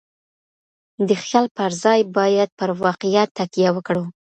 د خيال پر ځای بايد پر واقعيت تکيه وکړو.